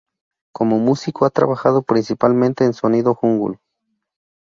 Como músico ha trabajado principalmente en sonido jungle.